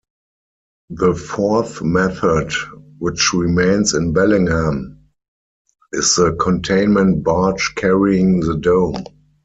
The fourth method, which remains in Bellingham, is the containment barge carrying the dome.